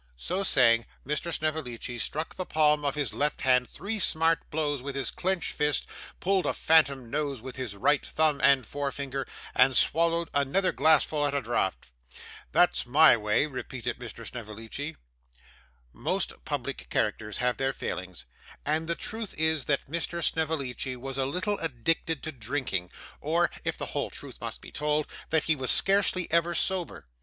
So saying, Mr. Snevellicci struck the palm of his left hand three smart blows with his clenched fist; pulled a phantom nose with his right thumb and forefinger, and swallowed another glassful at a draught. 'That's my way,' repeated Mr. Snevellicci. Most public characters have their failings; and the truth is that Mr Snevellicci was a little addicted to drinking; or, if the whole truth must be told, that he was scarcely ever sober.